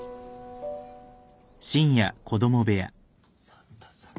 サンタさん